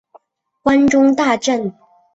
关中大震。